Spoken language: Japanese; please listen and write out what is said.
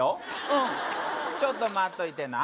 うんちょっと待っといてな